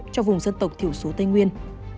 cho vùng dân tộc thiểu số tây nguyên